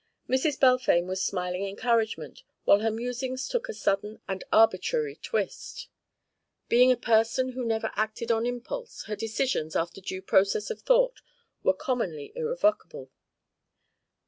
Mrs. Balfame was smiling encouragement when her musings took a sudden and arbitrary twist. Being a person who never acted on impulse, her decisions, after due processes of thought, were commonly irrevocable.